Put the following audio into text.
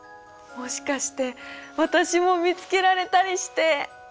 もしかして私も見つけられたりして！